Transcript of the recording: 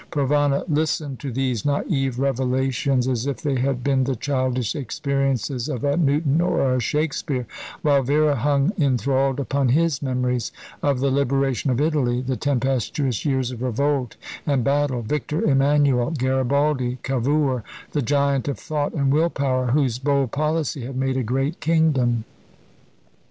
Provana listened to these naïve revelations as if they had been the childish experiences of a Newton or a Shakespeare, while Vera hung enthralled upon his memories of the liberation of Italy, the tempestuous years of revolt and battle, Victor Emanuel, Garibaldi, Cavour, the giant of thought and will power, whose bold policy had made a great kingdom.